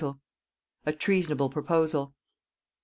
A TREASONABLE PROPOSAL.